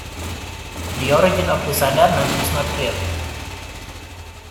The origin of the sardana is not clear.